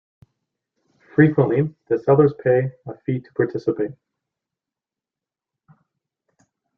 Frequently the sellers pay a fee to participate.